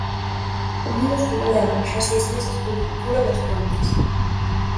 Unidos como levan xa seis meses polo futuro das Pontes.